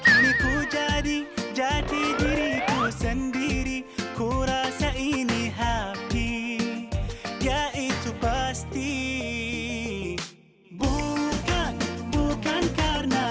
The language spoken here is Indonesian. aduh jadi jadi diriku sendiri kurasa ini happy yaitu pasti bukan bukan karena